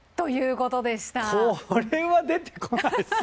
これは出てこないっすね。